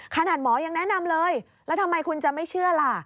ขนาดหมอยังแนะนำเลยแล้วทำไมคุณจะไม่เชื่อล่ะ